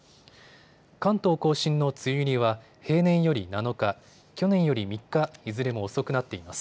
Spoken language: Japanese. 関東甲信の梅雨入りは平年より７日、去年より３日、いずれも遅くなっています。